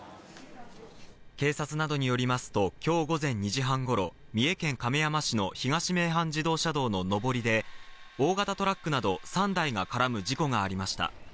警察などによりますと今日午前２時半頃、三重県亀山市の東名阪自動車道の上りで大型トラックなど３台が絡む事故がありました。